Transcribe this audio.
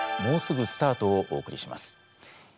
もうすぐスタート！」をお送りします。